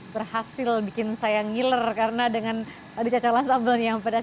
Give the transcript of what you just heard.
berhasil bikin saya ngiler karena dengan ada cocolan sambalnya yang pedes